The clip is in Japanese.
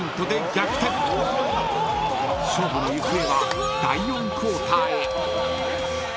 ［勝負の行方は第４クォーターへ］